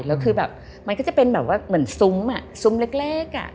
แล้วคือแบบมันก็จะเป็นแบบว่าเหมือนซุ้มซุ้มเล็ก